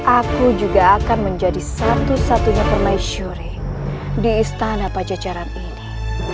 aku juga akan menjadi satu satunya permaisuri di istana pajacaran ini